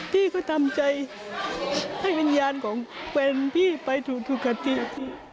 พี่ก็ทำใจให้รัญญาณของเพื่อนพี่ไปถูกตัวจริง